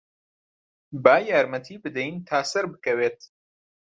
با یارمەتیی بدەین تا سەربکەوێت.